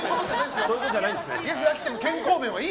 そういうことじゃないんですよ。